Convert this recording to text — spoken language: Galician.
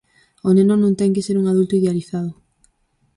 O neno non ten que ser un adulto idealizado.